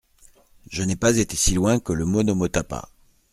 Je n'ai pas été si loin que le Monomotapa.